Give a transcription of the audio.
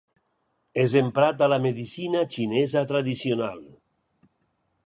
És emprat a la medicina xinesa tradicional.